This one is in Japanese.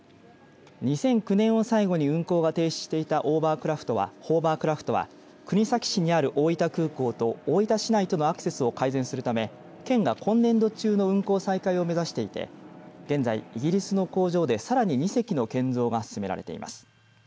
２００９年を最後に運航が停止していたホーバークラフトは国東市にある大分空港と大分市内とのアクセスを改善するため県が今年度中の運航再開を目指していて現在イギリスの工場でさらに２隻の建造が進められています。